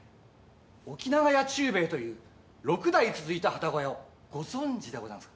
おきなが屋忠兵衛という六代続いた旅籠屋をご存じでござんすか？